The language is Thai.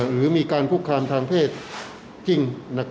หรือมีการคุกคามทางเพศจริง